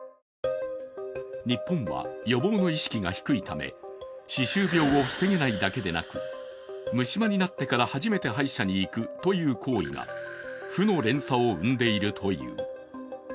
日本は、予防の意識が低いため歯周病を防げないだけでなく虫歯になってから初めて歯医者に行くという行為が負の連鎖を生んでいるという。